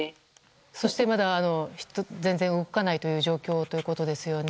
そしてまだ全然動かないという状況ということですよね。